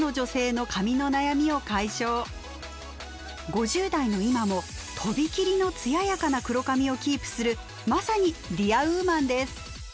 ５０代の今もとびきりの艶やかな黒髪をキープするまさにディアウーマンです。